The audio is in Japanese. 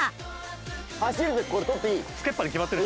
走る時これ取っていい？